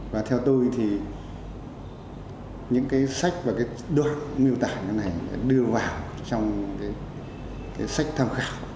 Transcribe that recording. và theo tôi thì những cái sách và cái đoạn miêu tả như thế này đưa vào trong cái sách tham khảo